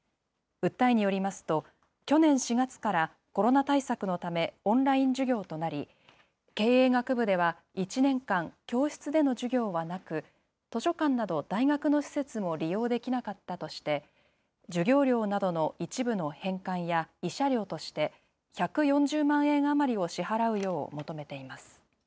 訴えによりますと、去年４月からコロナ対策のため、オンライン授業となり、経営学部では１年間、教室での授業はなく、図書館など大学の施設も利用できなかったとして、授業料などの一部の返還や、慰謝料として１４０万円余りを支払うよう求めています。